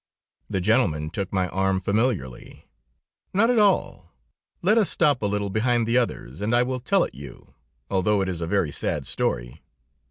The gentleman took my arm familiarly. "Not at all, not at all. Let us stop a little behind the others, and I will tell it you, although it is a very sad story.